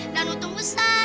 dan untung besar